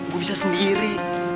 gue bisa sendiri